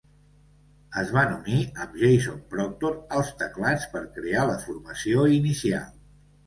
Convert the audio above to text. Es van unir amb Jason Proctor als teclats per crear la formació inicial.